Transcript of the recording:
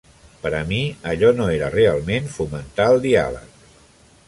Per a mi, allò no era realment fomentar el diàleg.